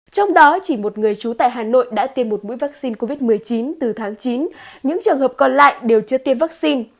trong đó chỉ một người trú tại hà nội đã tiêm một mũi vaccine covid một mươi chín từ tháng chín những trường hợp còn lại đều chưa tiêm vaccine